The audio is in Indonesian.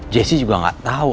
jessi juga nggak tahu